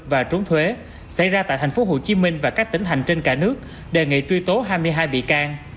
cơ quan cảnh sát điều tra công an tp hcm và trốn thuế xảy ra tại tp hcm và các tỉnh hành trên cả nước đề nghị truy tố hai mươi hai bị can